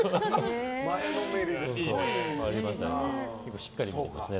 結構しっかり見てますね。